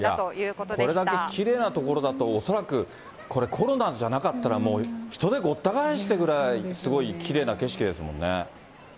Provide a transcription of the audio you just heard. これだけきれいな所だと、恐らくこれ、コロナじゃなかったら、もう人でごった返してるぐらいすごいきれいな景色ですもんね。